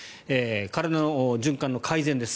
体の循環の改善です。